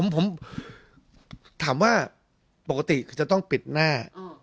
ผมถามว่าปกติจะต้องปิดหน้า